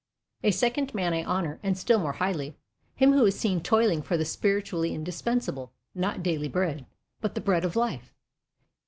A second man I honour, and still more highly: him who is seen toiling for the spiritually indispensable; not daily bread, but the bread of Life.